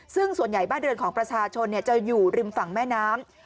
ซึ่งส่วนใหญ่บ้านเรือนของประชาชนจะอยู่ริมฝั่งแม่น้ำ